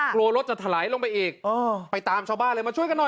รถจะถลายลงไปอีกไปตามชาวบ้านเลยมาช่วยกันหน่อย